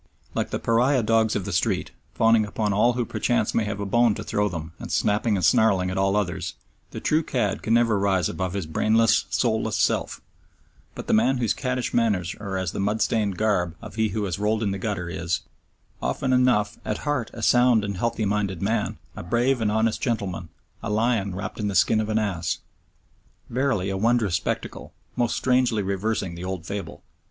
Like the pariah dogs of the street, fawning upon all who perchance may have a bone to throw to them and snapping and snarling at all others, the true cad can never rise above his brainless, soulless self, but the man whose caddish manners are as the mud stained garb of he who has rolled in the gutter is, often enough, at heart a sound and healthy minded man, a brave and honest gentleman, a lion wrapped in the skin of an ass! Verily a wondrous spectacle, most strangely reversing the old fable!